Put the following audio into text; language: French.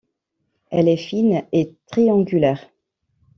Elle est fine est triangulaire.